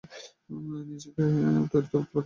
নিজেকে একটি তড়িৎ-উৎপাদক যন্ত্র করিয়া তুলিতে হইবে।